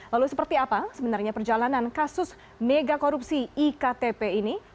lalu seperti apa sebenarnya perjalanan kasus mega korupsi iktp ini